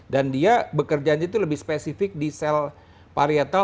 dan dia bekerjaan itu lebih spesifik di sel parietal